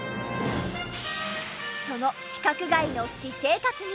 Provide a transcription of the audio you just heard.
その規格外の私生活に。